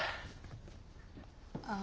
あ。